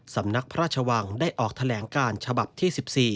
สำนักพระราชวังได้ออกแถลงการฉบับที่๑๔